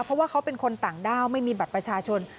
เพราะว่าเขาเป็นคนต่างด้าวไม่มีบัตรประชาชน